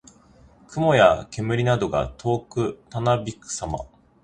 雲や煙などが遠くたなびくさま。